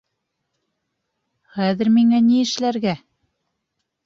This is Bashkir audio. Хәҙер миңә ни эшләргә?